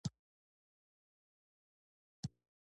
د ادارې سسټم داسې وو.